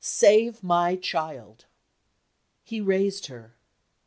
Save my child!" He raised her.